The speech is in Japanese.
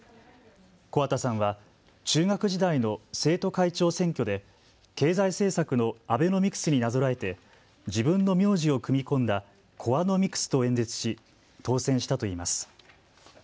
木幡さんは中学時代の生徒会長選挙で、経済政策のアベノミクスになぞらえて自分の名字を組み込んだコワノミクスと演説し当選したといいます。